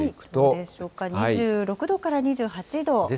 どうでしょうか、２６度から２８度。